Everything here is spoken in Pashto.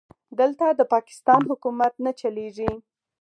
دلته د پاکستان حکومت نه چلېږي.